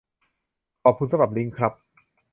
ขอบคุณสำหรับลิงก์ครับ